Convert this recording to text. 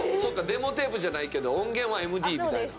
デモテープじゃないけど音源はＭＤみたいな。